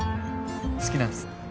好きなんです。